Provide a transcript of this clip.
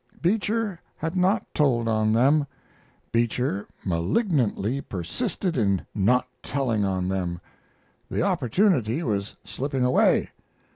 Beecher had not told on them; Beecher malignantly persisted in not telling on them. The opportunity was slipping away.